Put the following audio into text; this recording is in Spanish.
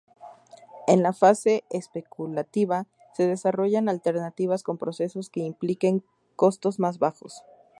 En la fase especulativa se desarrollan alternativas con procesos que impliquen costos más bajos.